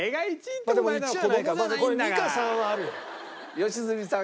良純さんが。